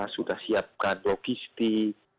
sudah siapkan logistik